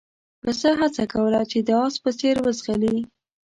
پسه هڅه کوله چې د اس په څېر وځغلي.